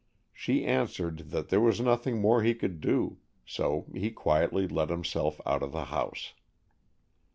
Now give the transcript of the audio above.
She answered that there was nothing more he could do, so he quietly let himself out of the house.